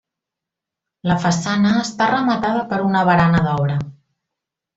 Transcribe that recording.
La façana està rematada per una barana d'obra.